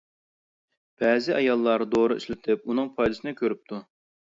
بەزى ئاياللار دورا ئىشلىتىپ ئۇنىڭ پايدىسىنى كۆرۈپتۇ.